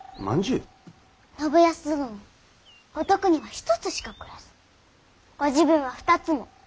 信康殿は五徳には１つしかくれずご自分は２つも。